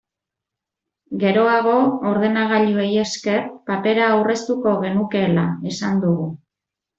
Geroago, ordenagailuei esker, papera aurreztuko genukeela esan dugu.